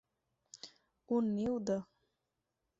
Un niu de.